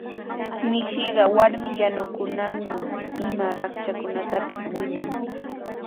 Mishiqa warmi yanukunqanman ima raktrakunatapis winan.